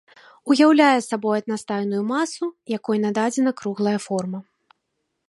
Уяўляе сабой аднастайную масу, якой нададзена круглая форма.